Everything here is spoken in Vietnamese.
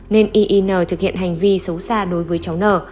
nên yn thực hiện hành vi xấu xa đối với cháu n